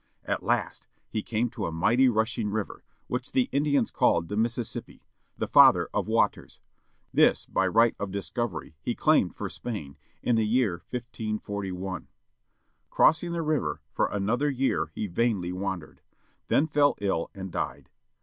At last he came to a mighty, rushing river, which the Indians called the Mis sissippi â the Father of Waters. This by right of discovery he claimed for Spain, in the year 1541. Crossing the river, for another year he vainly wandered. Then fell ill, and died.